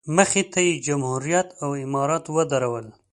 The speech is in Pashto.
مخې ته یې جمهوریت او امارت ودرول.